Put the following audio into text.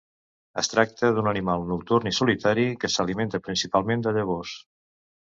Es tracta d'un animal nocturn i solitari que s'alimenta principalment de llavors.